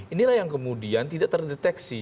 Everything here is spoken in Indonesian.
inilah yang kemudian tidak terdeteksi